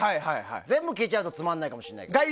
全部聞いちゃうとつまんないかもしれないから。